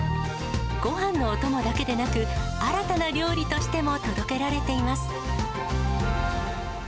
ごはんのお供だけでなく、新たな料理としても届けられています。